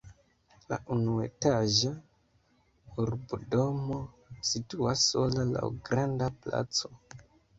La unuetaĝa urbodomo situas sola laŭ granda placo.